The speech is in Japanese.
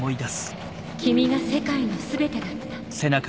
「君が世界の全てだった」。